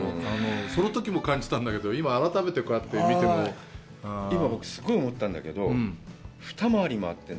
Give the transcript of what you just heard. そのときも感じたんだけど、今、改めてこうやって見ても、今もすごい思ったんだけど、二回り回っている。